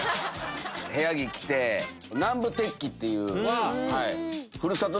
部屋着着て南部鉄器っていう。